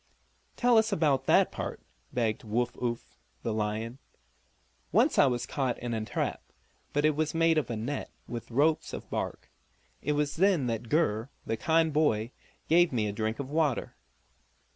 "Tell us about that part!" begged Woo Uff, the lion. "Once I was caught in a trap, but it was made of a net, with ropes of bark. It was then that Gur, the kind boy, gave me a drink of water."